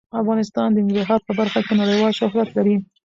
افغانستان د ننګرهار په برخه کې نړیوال شهرت لري.